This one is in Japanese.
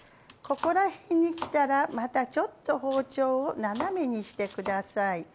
ここら辺に来たらまたちょっと包丁を斜めにして下さい。